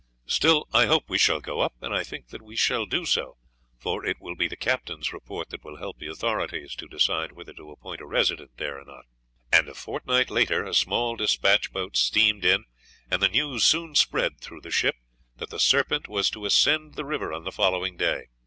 Still, I hope we shall go up; and I think that we shall do so, for it will be the Captain's report that will help the authorities to decide whether to appoint a Resident there or not." A fortnight later a small dispatch boat steamed in and the news soon spread through the ship that the Serpent was to ascend the river on the following day.